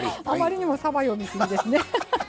あまりにもさば読み過ぎですね！